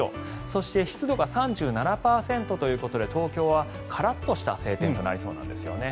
そして湿度が３７％ということで東京はカラッとした晴天となりそうなんですね。